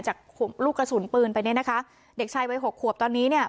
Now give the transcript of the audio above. จากลูกกระสุนปืนไปเนี่ยนะคะเด็กชายวัยหกขวบตอนนี้เนี่ย